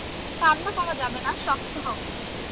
কান্না করা যাবে না, শক্ত হও।